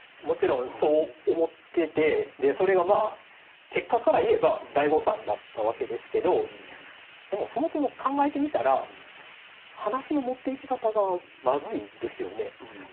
もちろんそう思っててそれがまあ結果から言えば大誤算だったわけですけどでもそもそも考えてみたら話の持っていき方がまずいですよね。